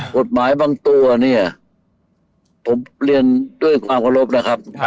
กฎหมายบางตัวเนี่ยผมเรียนด้วยความเคารพนะครับ